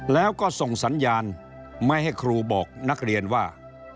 แล้วก็ส่งสัญญาณไม่ให้ครูบอกนักเรียนว่า